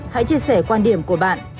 hãy chia sẻ quan điểm của bạn